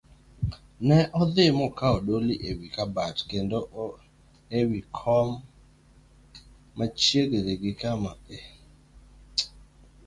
Ne odhi mokawo doli ewi kabat koidho ewi kom machiegni gi kama Kijasiri nobetie.